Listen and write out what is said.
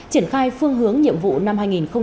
triển khai phương hướng nhiệm vụ năm hai nghìn một mươi chín